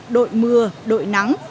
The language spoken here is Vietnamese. đội mưa đội nắng